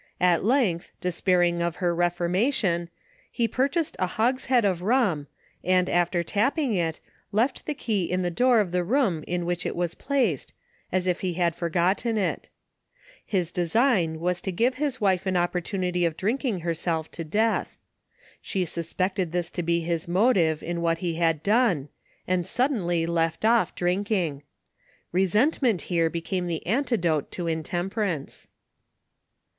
At length des pairing of her reformation, he purchased a hogshead of rum, and after tapping it, left the key in the door of the room in which it was placed, as if he had forgotten it. —> His design was to give his wife an opportunity of drink ing herself to death. She suspected this to be his motive in what he had done, and suddenly left off drinking, Re sentment here became the antidote to intemperance.